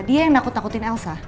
dia yang takut takutin elsa